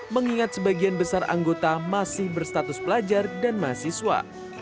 mengingat sebagian besar anggota masih berstatus pelajar dan mahasiswa